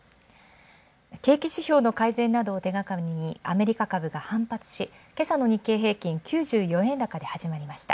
景気指標の改善などをてがかりにアメリカ株が反発し、今朝の日経平均は９４円高で始まりました。